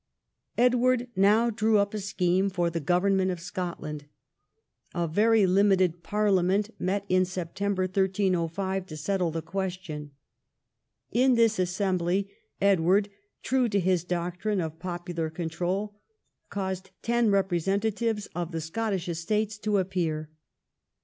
Edward now drew up a scheme for the government of Scotland. An English parliament met in September 1305 to settle the question. In this assembly, Edward, true to his doctrine of popular control, caused ten representa tives of the Scottish estates to appear.